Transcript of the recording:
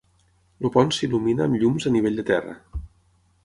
El pont s'il·lumina amb llums a nivell de terra.